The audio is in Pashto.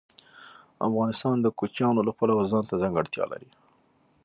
افغانستان د کوچیانو له پلوه ځانته ځانګړتیا لري.